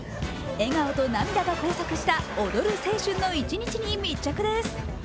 笑顔と涙が交錯した踊る青春の一日に密着です。